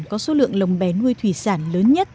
có số lượng lồng bè nuôi thủy sản lớn nhất